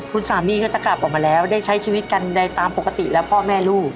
คุณสามีก็จะกลับออกมาแล้วได้ใช้ชีวิตกันได้ตามปกติแล้วพ่อแม่ลูก